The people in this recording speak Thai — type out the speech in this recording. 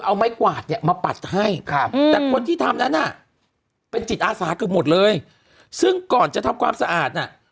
เอาไม้กวาดเนี่ยมาปัดให้ครับแต่คนที่ทำนั้นน่ะเป็นจิตอาสาเกือบหมดเลยซึ่งก่อนจะทำความสะอาดน่ะ